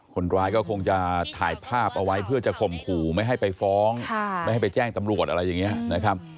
คนร้ายก็คงจะถ่ายภาพเอาไว้เพื่อจะข่มขู่ไม่ให้ไปฟ้องไม่ให้ไปแจ้งตำรวจอะไรอย่างนี้นะครับ